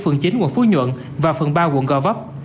đường giáp ranh giữa phường chín quận phú nhuận và phường ba quận gò vấp